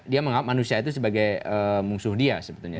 dia menganggap manusia itu sebagai musuh dia sebetulnya